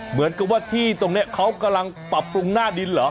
เหมือนกับว่าที่ตรงนี้เขากำลังปรับปรุงหน้าดินเหรอ